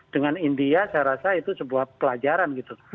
dengan india saya rasa itu sebuah pelajaran gitu